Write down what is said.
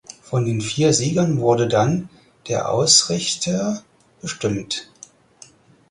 Von den vier Siegern wurde dann der Ausrichter bestimmt.